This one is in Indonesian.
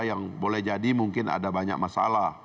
yang boleh jadi mungkin ada banyak masalah